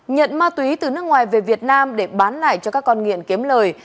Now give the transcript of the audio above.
nhận ma túy từ nước ngoài về việt nam để bán lại cho các con nghiện kiếm lời